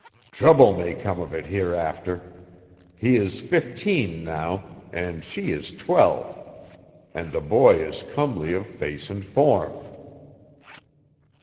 "Trouble may come of it hereafter: he is fifteen now, and she is twelve; and the boy is comely of face and form."